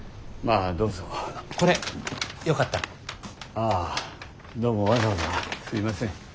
ああどうもわざわざすいません。